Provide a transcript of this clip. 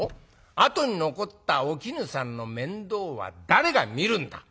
あとに残ったお絹さんの面倒は誰が見るんだ！